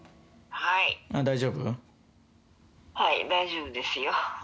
はい、大丈夫ですよ。